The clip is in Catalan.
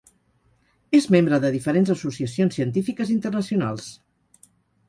És membre de diferents associacions científiques internacionals.